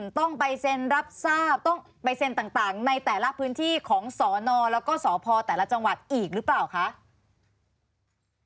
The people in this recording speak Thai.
ต้องไปเซ็นรับทราบต้องไปเซ็นต่างในแต่ละพื้นที่ของสนแล้วก็สพแต่ละจังหวัดอีกหรือเปล่าคะ